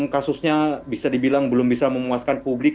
kasusnya bisa dibilang belum bisa memuaskan publik